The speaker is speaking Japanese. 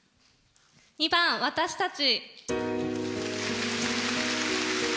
２番「私たち」。